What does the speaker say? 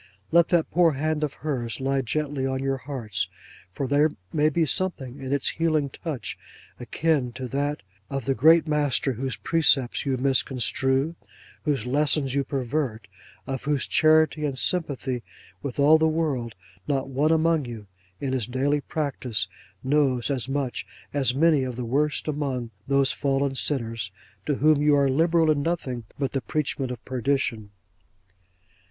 Let that poor hand of hers lie gently on your hearts; for there may be something in its healing touch akin to that of the Great Master whose precepts you misconstrue, whose lessons you pervert, of whose charity and sympathy with all the world, not one among you in his daily practice knows as much as many of the worst among those fallen sinners, to whom you are liberal in nothing but the preachment of perdition!